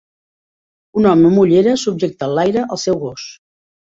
Un home amb ulleres subjecte enlaire el seu gos.